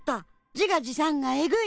自画自賛がえぐい。